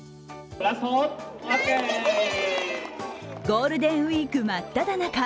ゴールデンウイーク真っただ中。